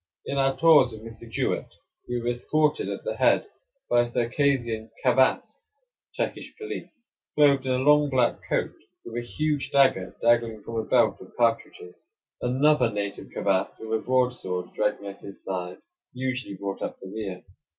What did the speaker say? In our tours with Mr. Jewett we were escorted at the head by a Circassian cavass (Turkish police), clothed in a long black coat, with a huge dagger dangling from a belt of cartridges. Another native cavass, with a broadsword dragging at his side, usually brought up the rear.